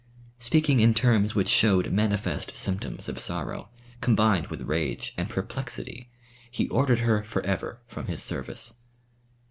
Speaking in terms which shewed manifest symptoms of sorrow, combined with rage and perplexity, he ordered her for ever from his service.